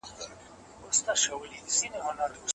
ریښتیا ویل د ټولنې بنسټ دی.